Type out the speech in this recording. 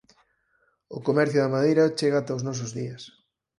O comercio da madeira chega ata os nosos días.